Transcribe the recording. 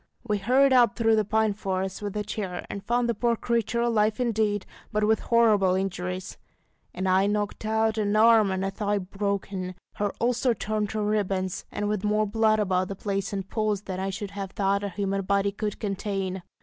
We hurried up through the pine forest with a chair, and found the poor creature alive indeed, but with horrible injuries an eye knocked out, an arm and a thigh broken, her ulster torn to ribbons, and with more blood about the place in pools than I should have thought a human body could contain.